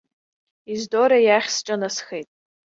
Ездора иахь сҿынасхеит.